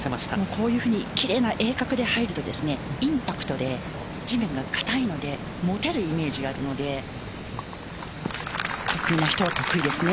こういうふうに奇麗な鋭角で入るとインパクトで地面が硬いので持てるイメージがあるので得意な人は得意ですね